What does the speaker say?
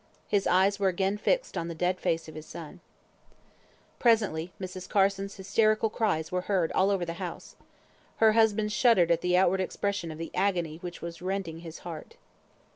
His eyes were again fixed on the dead face of his son. Presently Mrs. Carson's hysterical cries were heard all over the house. Her husband shuddered at the outward expression of the agony which was rending his heart.